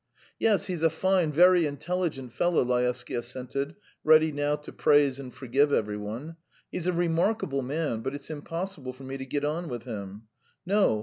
"Yes, he's a fine, very intelligent fellow," Laevsky assented, ready now to praise and forgive every one. "He's a remarkable man, but it's impossible for me to get on with him. No!